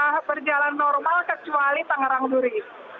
kita berjalan normal kecuali tanggerang duri